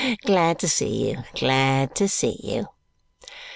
Glad to see you, glad to see you!"